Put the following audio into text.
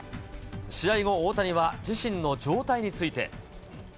試合後、大谷は自身の状態について。